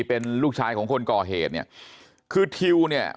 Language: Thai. เป็นลูกชายของคนก่อเหตุเนี่ยคือทิวเนี่ย